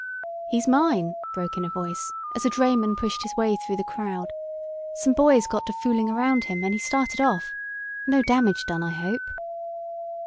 "He's mine," broke in a voice, as a drayman pushed his way through the crowd. "Some boys got to fooling around him, and he started off. No damage done, I hope."